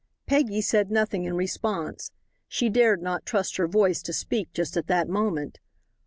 Peggy said nothing in response. She dared not trust her voice to speak just at that moment.